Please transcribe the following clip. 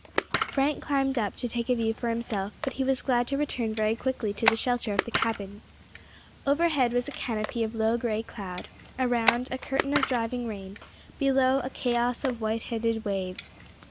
Frank climbed up to take a view for himself, but he was glad to return very quickly to the shelter of the cabin. Overhead was a canopy of low grey cloud; around, a curtain of driving rain; below, a chaos of white headed waves.